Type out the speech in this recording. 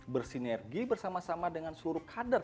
bersinergi bersama sama dengan seluruh kader